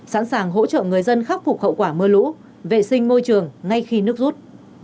sẵn sàng hỗ trợ người dân khắc phục hậu quả mưa lũ vệ sinh môi trường ngay khi nước rút